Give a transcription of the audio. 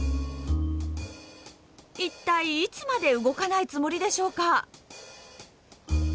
一体いつまで動かないつもりでしょうか。